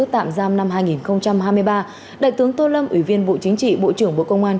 tạm giam năm hai nghìn hai mươi ba đại tướng tô lâm ủy viên bộ chính trị bộ trưởng bộ công an